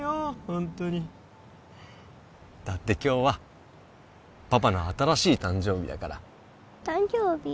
ホントにだって今日はパパの新しい誕生日だから誕生日？